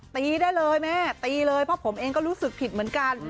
ตีได้เลยแม่ตีเลยเพราะผมเองก็รู้สึกผิดเหมือนกัน